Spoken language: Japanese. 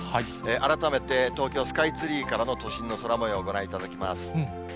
改めて、東京スカイツリーからの都心の空もよう、ご覧いただきます。